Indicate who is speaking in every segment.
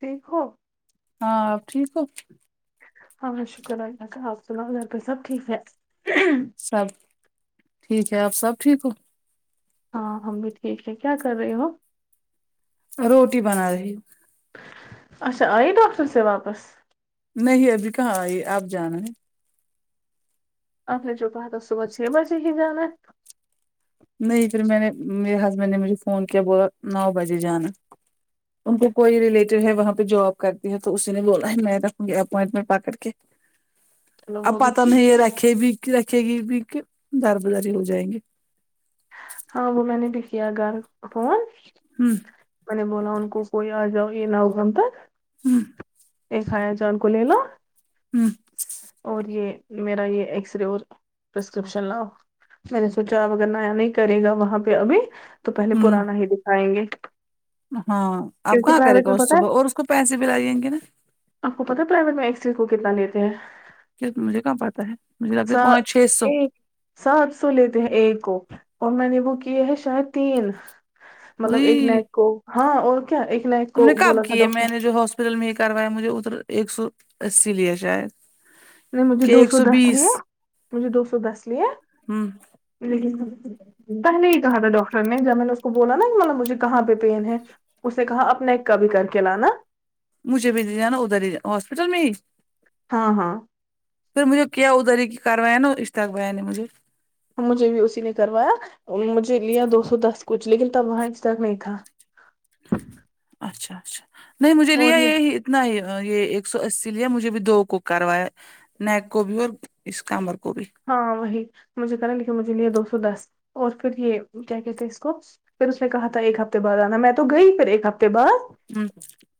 Speaker 1: ٹھیک ہو
Speaker 2: ہاں آپ ٹھیک ہو
Speaker 1: ہاں شکر الله کا آپ سنا گھر پہ سب ٹھیک ہے
Speaker 2: سب ٹھیک ہے آپ سب ٹھیک ہو
Speaker 1: ہاں ہم بھی ٹھیک ہے کیا کر رہے ہو
Speaker 2: روٹی بنا رہی
Speaker 1: اچھا آئیے ڈاکٹر سے واپس
Speaker 2: نہیں ابھی کہاں آئی آپ جانا ہے
Speaker 1: آپ نے جو کہا تھا صبح چھ بجے ہی جانا
Speaker 2: نہیں پھر میں نے میرے ہسبینڈ نے مجھے فون کیا بولا نو بجے جانا ان کو کوئی ریلیٹیو ہے وہاں پہ جاب کرتی ہے تو اس نے بولا ہے میں رکھو اپوائنٹمنٹ پا کر کے
Speaker 1: چلو وہ
Speaker 2: آپ
Speaker 1: بھی
Speaker 2: پتا
Speaker 1: ٹھیک ہے
Speaker 2: نہیں رکھے بھی رکھے گی بھی کہ دار بازاری ہو جائیں گے
Speaker 1: ہاں وہ میں نے بھی کیا گھر فون
Speaker 2: ہوں
Speaker 1: میں نے بولا ان کوئی آ جاؤ یہ نو گھنٹہ
Speaker 2: ہوں
Speaker 1: ایک ہایا جان کولےلو
Speaker 2: ہوں
Speaker 1: اور یہ میرا یہ ایکس رے اور پرسکرپشن لاؤ میں نے سوچا اب اگر نیا نہیں کرے گا وہاں پہ ابھی تو پہلے
Speaker 2: ہوں
Speaker 1: پرانا ہی دکھائیں گے
Speaker 2: ہاں آپ
Speaker 1: کیونکہ
Speaker 2: کہاں کرے
Speaker 1: پرائیویٹ
Speaker 2: گا
Speaker 1: میں
Speaker 2: اس
Speaker 1: پتا ہے
Speaker 2: صبح اور اس کو پیسے بھی لائییں گے نا
Speaker 1: آپ کو پتا تو ہیوہا ایکسرے کو کتنا لیتے ہے
Speaker 2: کیا مجھے کہاں پاتا ہے مجھے لگتا ہے
Speaker 1: اچھا
Speaker 2: پانچ چھ
Speaker 1: یہ سات سو لیتے ہیں ایک کو اور میں نے وہ کیے ہیں شاید تین مطلب ایک
Speaker 2: سو
Speaker 1: نائٹ کو ہاں اور کیا ایک نائٹ
Speaker 2: تم نے
Speaker 1: کو
Speaker 2: کب
Speaker 1: بولا تھا
Speaker 2: کیے میں
Speaker 1: ڈاکٹر
Speaker 2: نے جو ہاسپٹل میں ہی کروایا مجھے ادھر ایک سو اسی لیا شاید
Speaker 1: نہیں مجھے
Speaker 2: کہ
Speaker 1: دو
Speaker 2: ایک
Speaker 1: سو دس
Speaker 2: بیس
Speaker 1: لیے مجھے دو سو دس لیے
Speaker 2: ہوں
Speaker 1: لیکن تب نہیں کہا تھا ڈاکٹر نے جب میں نے اس کو بولا نا کہ مطلب مجھے کہاں پہ پین ہے اس نے کہا اپنے ایک کہ بھی کر کے لانا
Speaker 2: مجھے بھی جانا ادھر ہی ہاسپٹل میں ہی
Speaker 1: ہاں ہاں
Speaker 2: پھر مجھے کیا ادھر کی کاروائی ہے نا اشتاق بھیا نے مجھے
Speaker 1: مجھے بھی اسی نے کروایا مجھے لیا دو سو دس کچھ لیکن تب وہاں اشتاق نہیں تھا
Speaker 2: اچھا اچھا نہیں مجھے
Speaker 1: اور
Speaker 2: لیا
Speaker 1: یہ
Speaker 2: یہی نہیں یہ ایک سو اسی لیا مجھے بھی دو کو کروایا نیک کو بھی اور اس کمر کو بھی
Speaker 1: ہاں وہی مجھے کریں لیکن مجھے لیا دو سو دس اور پھر یہ کیا کہتے اس کو پھر اس نے کہا تھا ایک ہفتے بعد آنا میں تو گئی پھر ایک ہفتے بعد
Speaker 2: ہمم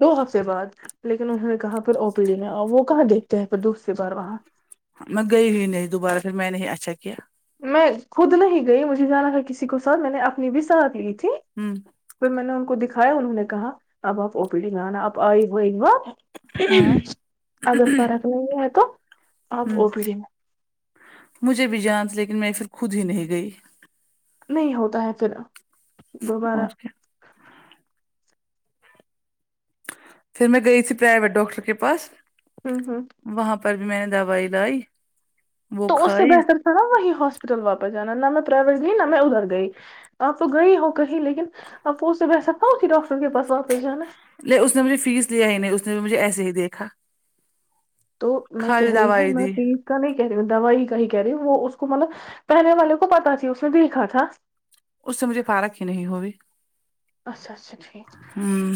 Speaker 1: دو ہفتے بعد لیکن انہوں نے کہا پھر او پی ڈی آؤ وہ کہاں دیکھتے ہیں پھر دوسری بار وہاں
Speaker 2: میں گئی ہی نہیں دوبارہ پھر میں نہیں اچھا کیا
Speaker 1: میں خود نہیں گئی مجھے جانا تھا کسی کو ساتھ میں نے اپنی بھی ساتھ لی تھی
Speaker 2: ہمم
Speaker 1: پھر میں نے ان کو دکھایا انہوں نے کہا اب آپ او پی ڈی میں انا آپ آئی ہو ایک بار
Speaker 2: ہاں
Speaker 1: اگر فرق نہیں ہے تو آپ
Speaker 2: ہمم
Speaker 1: او پی ڈی میں
Speaker 2: مجھے بھی جانا تھا لیکن میں پھر خود ہی نہیں گئی
Speaker 1: نہیں ہوتا ہے پھر دوبارہ
Speaker 2: اور کیا پھر میں گئی تھی پرائیویٹ ڈاکٹر کے پاس
Speaker 1: ہمم ھمم
Speaker 2: وہاں پر بھی میں نے دوائی لائی وہ
Speaker 1: تو اس سے
Speaker 2: کھائی
Speaker 1: بہتر تھا نا وہیں ہاسپٹل واپس جانا نہ میں پرائیویٹ گئی نہ میں ادھر گئی آپ تو گئی ہو کہیں لیکن اپ اس سے [unintelligible] وسا پاؤی ڈاکٹر کے پاس واپس جانا
Speaker 2: نہیں اس نے مجھے فیس لیا ہی نہیں اس نے تو مجھے ایسے ہی دیکھا
Speaker 1: تو میں کہہ
Speaker 2: خالی
Speaker 1: رہی ہوں
Speaker 2: دوائی
Speaker 1: میں
Speaker 2: دی
Speaker 1: پل کا نہیں کہہ رہی دوائی کا ہی کہہ رہی وہ اس کو مطلب پہلے والے کو پتا تھی اس نے دیکھا تھا
Speaker 2: اس سے مجھے فرق ہی نہیں ہوگی
Speaker 1: اچھا اچھا ٹھیک
Speaker 2: ہوں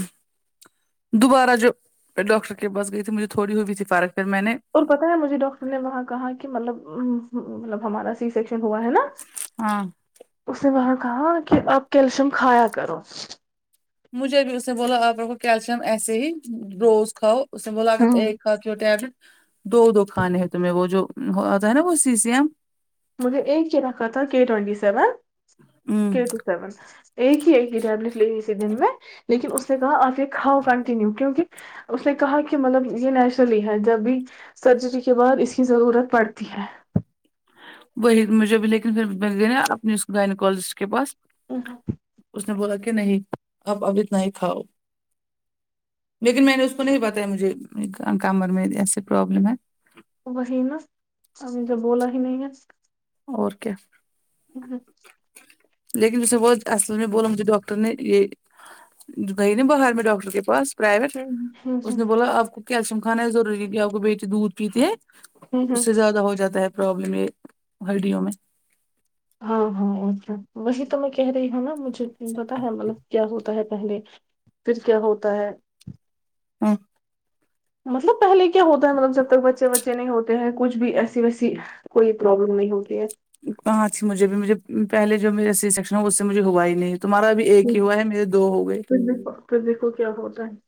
Speaker 2: دوبارہ جب ڈاکٹر کے پاس گئی تھی مجھے تھوڑی ہوئی تھی فرق پھر میں نے
Speaker 1: اور پتا ہے مجھے ڈاکٹر نے وہاں کہا کہ مطلب مطلب ہمارا سی سیکشن ہوا ہے نا
Speaker 2: ہاں
Speaker 1: اس نے وہاں کہا کہ آپ کیلشیم کھایا کرو
Speaker 2: مجھے بھی اس نے بولا آپ رو کیلشیم ایسے ہی روز کھاؤ اس میں بولا
Speaker 1: ہاں
Speaker 2: ایک کھا کے ٹیبلیٹ دو دو کھانے ہیں تمہیں وہ جو وہ آتا ہے نہ سی سی م
Speaker 1: مجھے ایک چ رکھا تھا کے ٹوینٹی سیون
Speaker 2: ہوں
Speaker 1: کےٹ سیون ایک ہی ایک ہی ٹیبلٹ لینی تھی دن میں لیکن اس نے کہا آپ یہ کھاؤ کنٹینیو کیونکہ اس نے کہا کہ مطلب یہ نیچرلی ہے جب بھی سرجری کے بعد اس کی ضرورت پڑتی ہے
Speaker 2: وہی مجھے بھی لیکن پھر گئی نا اپنے گیناکولوجست کے پاس
Speaker 1: ہاں [unintelligible]
Speaker 2: اس نے بولا کہ نہیں آپ ابھی اتنا ہی کھاؤ لیکن میں نے اس کو نہیں بتایا مجھے کمر میں ایسے پرابلم ہے
Speaker 1: وہ ہی نا سمجھو بولا ہی نہیں ہے
Speaker 2: اور کیا لیکن اسے بہت اصل میں بولا مجھے ڈاکٹر نے یہ گئی ن باہر میں ڈاکٹر کے پاس پرائیویٹ
Speaker 1: ہوں ہوں
Speaker 2: اس نے بولا آپ کو کیلشیم کھانا ضروری ہے کہ آپ کو بیچ دودھ پیتے ہیں
Speaker 1: ہوں
Speaker 2: اس
Speaker 1: ہوں
Speaker 2: سے زیادہ ہو جاتا ہے پرابلم یہ ہڈیوں میں
Speaker 1: ہاں ہاں اھا وہی تو میں کہہ رہی ہوں نا مجھے پتا ہے مطلب کیا ہوتا ہے پہلے پھر کیا ہوتا ہے
Speaker 2: ہاں
Speaker 1: مطلب پہلے کیا ہوتا ہے مطلب جب تک بچے بچے نہیں ہوتے ہیں کچھ بھی ایسی ویسی کوئی پروابلم نہیں ہوتی ہے
Speaker 2: کھا اچھی مجھے بھی مجھے پہلے جو میرے سیکشن ہے اس سے مجھے ہوا ہی نہیں تمہارا بھی ایک ہی ہوا ہے میرے دو ہو گئے
Speaker 1: پھر دیکھو پھر دیکو کیا ہوتا ہے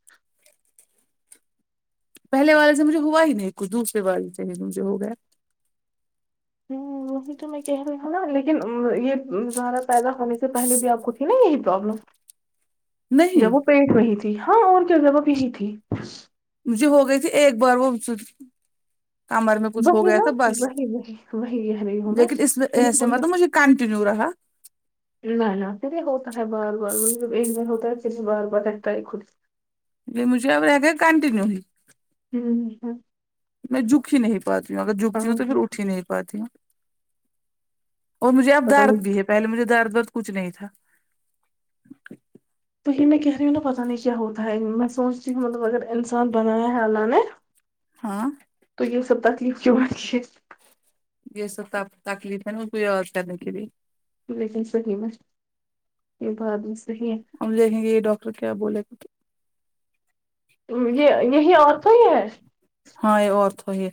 Speaker 2: پہل والے سے مجھے ہوا ہی نہیں کچھ دوسرے والے سے ہی مجھے ہو گیا
Speaker 1: ہوں یہی تو میں کہہ رہی ہوں نا لیکن یہ زارہ پیدا ہونے سے پہلے بھی آپ کو تھی نا یہی پرابلم
Speaker 2: نہیں
Speaker 1: جب وہ پیٹ وہی تھی ہاں اور کیا جبہ بھیی تھی
Speaker 2: مجھے ہوگئی تھی ایک بار وہ کمر میں کچھ ہو
Speaker 1: وہی
Speaker 2: گیا
Speaker 1: نا
Speaker 2: تھا بس
Speaker 1: وہی وہی وہی کہہ رہی ہوں میں
Speaker 2: لیکن اس
Speaker 1: پھر یہ
Speaker 2: ایے
Speaker 1: ہوتا
Speaker 2: مطلب مجھے کنٹینو رہا
Speaker 1: نہ نہ پھر یہ ہوتا ہے بار بار مطلب ایک بار ہوتا ہے پھر یہ بار بار رہتا ہے خود
Speaker 2: یہ مجے آگر ایک کننییو ہو
Speaker 1: ہوں
Speaker 2: میں جھک ہی نہیں پاتی ہوں اگر جھکتی ہوں تو پھر اٹھ ہی نہیں پاتی اور مجھے اب
Speaker 1: پتا
Speaker 2: درد
Speaker 1: نہیں
Speaker 2: بھی ہے پہلے مجھے درد درد کچھ نہیں تھا
Speaker 1: تو میں کہہ رہی ہوں نا پتا نہیں کیا ہوتا ہے میں سوچتی ہوں مطلب اگر انسان بنایا ہے اللہ نے [unintelligible]
Speaker 2: ہاں
Speaker 1: تو یہ سب تکلف جو وقش
Speaker 2: یہ سب تکلیف ہے نا اس کو یہ اور کرنے کے لیے
Speaker 1: لیکن صحیح مس یہ بات میں صحیح ہے
Speaker 2: ہم دیکیں گے ڈاکٹر کیا بولے
Speaker 1: یہ یہیں آرتھو ہی ہے
Speaker 2: ہاں یہ آرتھو ہی ہے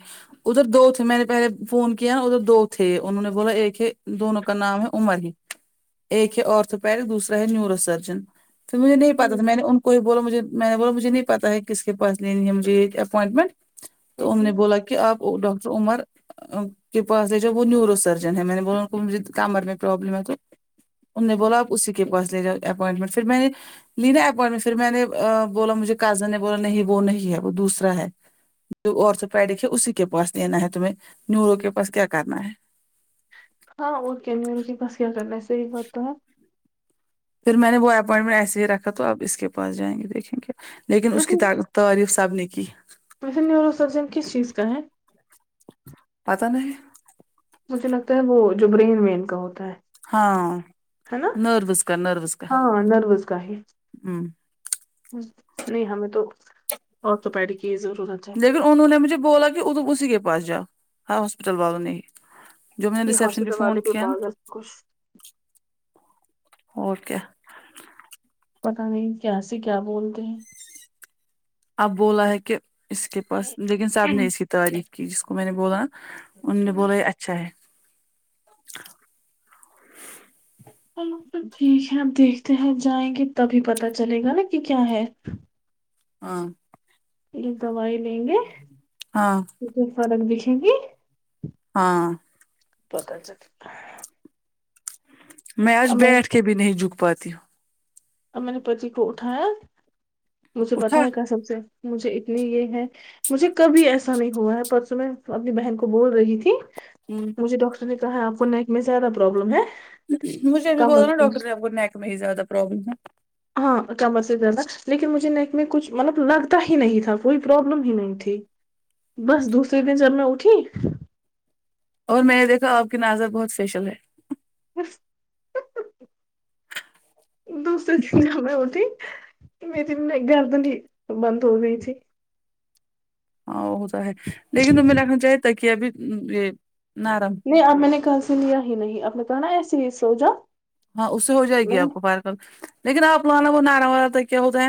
Speaker 2: ادھر دو تھے میں نے پہلے فون کیا نا ادھر دو تھے انہوں نے بولا ایک ہے دونوں کا نام ہے عمر ہے ایک ہے آرتھوپیڈ دوسرا ہے نیورو سرجن تو مجھے نہیں پتا
Speaker 1: ہوں
Speaker 2: تھا میں نے ان کوئی بولو مجھے میں نے بولو مجھے نہیں پتا ہے کس کے پاس لینی ہے مجھے یہ اپوائنٹمنٹ تو ان
Speaker 1: ہوں
Speaker 2: نے بولا کہ آپ ڈاکٹر عمر کے پاس ہے جو وہ نیورو سرجن ہے میں نے ب کو مجھے کمر میں پروابلم ہے تو ان نے بولا آپ اسی کے پاس لے جاؤ اپوائنٹمنٹ پھر میں نے لی نہ اپوائنٹمنٹ پھر میں نے بولا مجھے کازن نے بولا نہیں وہ نہیں ہے وہ دوسرا ہے جو اور سے پیڈکھ ہے اسی کے پاس لینا ہے تمہیں نوروں کے پاس کیا کرنا ہے
Speaker 1: ہاں وہ کیانیم جی بس کیا کرنا ہے صحیح بات تو ہے
Speaker 2: پھر میں نے وہ اپوائنٹمنٹ ایسے ہی رکھا تو اب اس کے پاس جائیں گے دیکھیں گے لیکن اس
Speaker 1: ویسے
Speaker 2: اسکے تعریف سب نے کی
Speaker 1: ویسے نیوروسرجن کس چیز کا ہے
Speaker 2: پتہ نہیں
Speaker 1: مجھے لگتا ہے وہ جو برین وین کا ہوتا ہے
Speaker 2: ہاں
Speaker 1: ہے نا
Speaker 2: نروس کا نروس کا
Speaker 1: ہاں نروس کا ہے
Speaker 2: ہمم
Speaker 1: نہیں ہمیں تو اور توپیری کی ضرورت ہے
Speaker 2: لیکن انہوں نے مجھے بولا کی اسی کے پاس جا ہر ہاسپٹل والوں نے ہی جو میں نے
Speaker 1: یہ
Speaker 2: ریسپشن پے
Speaker 1: ہاسپٹل
Speaker 2: فون
Speaker 1: والے بھی
Speaker 2: کیا نا
Speaker 1: پاگل کچھ
Speaker 2: اور کیا
Speaker 1: پتہ نہیں کی سے کیا بولتے ہیں
Speaker 2: اب بولا ہے کہ اس کے پاس لیکن سب نے اس کی تعریف کی جس کو میں نے بولا انہوں نے بولا یے اچھا ہے
Speaker 1: ٹھیک ہے آپ دیکھتے ہیں جائیں گے تبھی پتا چلے گا نا کی کیا ہے
Speaker 2: ہاں
Speaker 1: لیکن دوائی لیں گے
Speaker 2: ہاں
Speaker 1: تو کچھ فرق دکھے گی
Speaker 2: ہاں
Speaker 1: پتہ چل
Speaker 2: میں آج
Speaker 1: اب نے
Speaker 2: بیٹھ کے بھی نہیں جھک پاتی ہوں
Speaker 1: اور میں نے پتی کو اٹھایا مجھے پتہ
Speaker 2: اٹھا
Speaker 1: ہے کیا قسم سے مجھے اتنی یے ہے مجھے کبھی ایسا نہیں ہوا ہے پرسوں میں اپنی بہن کو بول رہی تھی
Speaker 2: ہمم
Speaker 1: مجھے ڈاکٹر نے کہا آپ کو نیک میں زیادہ پروبلم ہے
Speaker 2: مجھے بھی بولا
Speaker 1: کمر
Speaker 2: نا
Speaker 1: سے
Speaker 2: ڈاکٹر نے آپ کو نیک میں ہی زیادہ پروابلم ہے
Speaker 1: ہاں کمر سے زیادہ لیکن مجھے نیک میں کچھ مطلب لگتا ہی نہیں تھا کوئی پرابلم ہی نہیں تھی بس دوسرے دن جب میں اٹھی
Speaker 2: اور میں یے دیکھا آپ کی نظر بہت اسپیشل ہے
Speaker 1: دوسری دن یہاں میں اٹھی میری گردنی بند ہو گئی تھی
Speaker 2: ہاں وہ تو ہے لیکن تیں رکھنا چاہی تک ابھی یے نرم
Speaker 1: نہیں اب میں نے کل سے لیا ہی نہیں آپ نے کہا نا ایسے ہی سوجا
Speaker 2: ہاں اس سے ہو جائے گی آپ کو پار کم لیکن آپ لانا وہ نرم والا تکیہ ہوتا ہے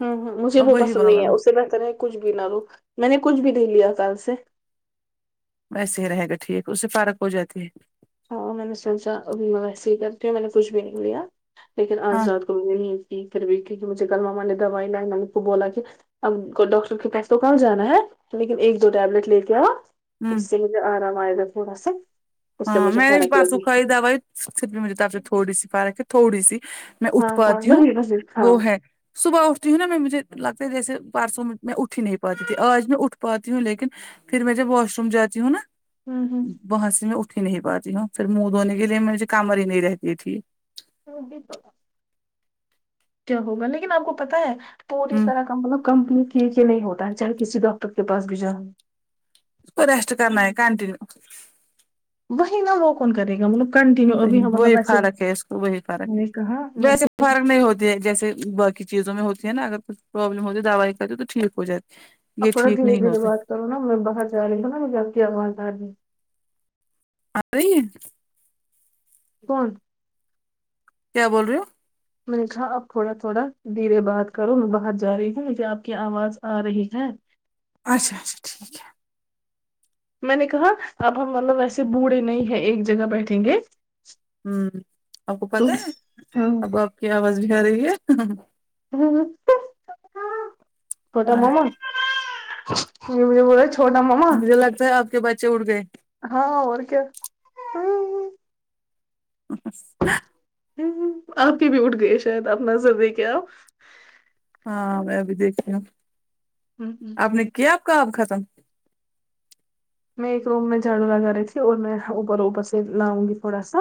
Speaker 1: ہمم ہمم مجھے
Speaker 2: اب
Speaker 1: وہ
Speaker 2: وہی
Speaker 1: پسند
Speaker 2: والا
Speaker 1: نہیں ہے
Speaker 2: لانا،
Speaker 1: اس سے بہتر ہے کچھ بھی نہ لو میں نے کچھ بھی نہیں لیا کل سے
Speaker 2: ویسے ہی رہے گا ٹھیک اس سے فارق ہو جاتی ہے
Speaker 1: ہاں میں نے سوچا ابھی میں ویسے ہی کرتی ہوں میں نے کچھ بھی نہیں لیا لیکن
Speaker 2: ہاں
Speaker 1: آج رات مجھے کل ماما نے دوائی لائی تھی میرے کو بولا کی [unintelligible] ہم کو ڈاکٹر کے پاس تو کہا جانا ہے لیکن ایک دو ٹیبلٹ لے کے آ تو
Speaker 2: ہوں
Speaker 1: اس سے ہی آرام آئے گا تھوڑا سا اس سے
Speaker 2: ہاں
Speaker 1: مجھے
Speaker 2: میں نے بھی
Speaker 1: فرق
Speaker 2: پرسو
Speaker 1: لگی
Speaker 2: کھائی دوائی پھر بھی مجھے طبیعت تھوڑی سی فرق ہے تھوڑی سی میں اٹھ
Speaker 1: ہاں ہاں
Speaker 2: پاتی ہوں
Speaker 1: وہی وہی ہاں
Speaker 2: وہ ہے صبح اٹھتی ہوں نا میں مجھے لگتا ہے جیسے پرسوں میں اٹھ ہی نہیں پاتی تھی آج میں اٹھ پاتی ہوں لیکن پھر میں جب واش روم جاتی ہوں نا
Speaker 1: آمم ہمم
Speaker 2: وہاں سے میں اٹھ ہی نہیں پاتی ہوں پھر منہ دھونے کے لیے مجھے کام والی نہیں رہتی تھی
Speaker 1: تو بھی تو کیا ہوگا لیکن آپ کو پتہ ہے [unintelligible] اس
Speaker 2: ہوں
Speaker 1: طرح کا مطلب کمپنی کی جڑے ہوتا ہے چاہے کسی ڈاکٹر کے پاس بھی جاؤ
Speaker 2: تو ریسٹ کرنا ہے کنٹینیو
Speaker 1: وہی نا وہ کون کرے گا مطلب کنٹینیو ابھی
Speaker 2: وہی
Speaker 1: ہم مطلب
Speaker 2: وہی
Speaker 1: ویسے
Speaker 2: فرق ہے اس کو وہی
Speaker 1: میں
Speaker 2: فرق ہے
Speaker 1: نے کہا
Speaker 2: ویسے فرق نہیں ہوتا جیسے باکی چیزوں میں ہوتی ہے نا اگر کچھ پروابلم ہوتی ہے دوائی کری تو ٹھیک ہو جاتی
Speaker 1: اب
Speaker 2: یہ
Speaker 1: بڑا
Speaker 2: ٹھیک
Speaker 1: دھیرے
Speaker 2: نہیں
Speaker 1: دھیرے
Speaker 2: ہوتا
Speaker 1: بات کروں نا میں باہر جا رہی ہوں نا می آپ کی آواز آ رہی ہے
Speaker 2: ایی
Speaker 1: کون
Speaker 2: کیا بول رہے ہو
Speaker 1: میں نے کہا اب تھوڑا تھوڑا دھیرے بات کرو میں باہر جا رہی ہوں میں کو آپ کی آواز آ رہی ہے
Speaker 2: اچھا اچھا ٹھیک ہے
Speaker 1: میں نے کہا اب ہم مطلب وسے بوڑھے نہیں ہے ایک جگہ بیٹھیں گے
Speaker 2: ہوں آپ کو
Speaker 1: تو
Speaker 2: پتہ ہے
Speaker 1: ہاں
Speaker 2: اب آپ کی آواز بھی آ رہی ہے
Speaker 1: کٹ ماما ت مجھے ب [unintelligible]
Speaker 2: مجھے لگتا ہے آپ کے بچے اٹھ گئے
Speaker 1: ہاں اور کیا ہ آپ کے بھی اٹھ گئے شاید آپ نظر دے کے آپ
Speaker 2: ہاں میں بھی دیکھو آپ نے کیا آپ کام ختم
Speaker 1: میں ایک روم میں جاڑو لگا رہی تھی اور میں اوپر اوپر سے لاؤ گی تھوڑا سا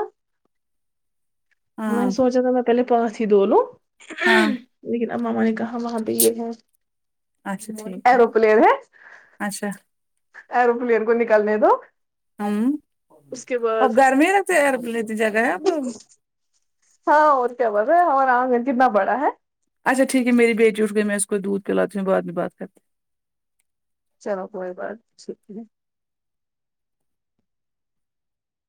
Speaker 1: میں
Speaker 2: ہاں
Speaker 1: نے سوچا تھا میں پہلے پس ہی د لوں
Speaker 2: ہاں
Speaker 1: لیکن امام ابا نے کہا وہاں پہ یہ گئے
Speaker 2: اچھا ٹھیک ہے
Speaker 1: ایروپلین ہے
Speaker 2: اچھا
Speaker 1: ایروپلین کو نکالنے دو
Speaker 2: ہوں
Speaker 1: اس کے
Speaker 2: اب
Speaker 1: بعد
Speaker 2: گھر میں ہی رہتے ایروپلین اتی جگہ ہے آپ لوگ
Speaker 1: ہاں اور کیا بول رہے ہے ہمار آنگن کتنا بڑا ہے
Speaker 2: اچھا ٹھیک ہےمری بیٹی آٹھ گئ ہے میں اس کو دودھ پلااوں بعد میں بات کرتے
Speaker 1: چلو کوئی بات نہیں ٹھیک ہے